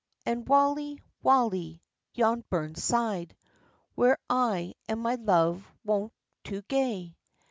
And waly, waly, yon burn side, Where I and my love wont to gae.